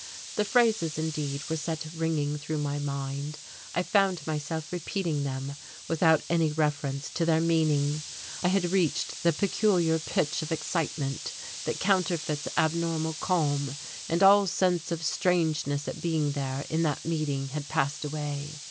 The phrases indeed were set ringing through my mind, I found myself repeating them without any reference to their meaning; I had reached the peculiar pitch of excitement that counterfeits abnormal calm, and all sense of strangeness at being there in that meeting had passed away.